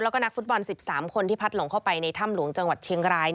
แล้วก็นักฟุตบอล๑๓คนที่พัดหลงเข้าไปในถ้ำหลวงจังหวัดเชียงราย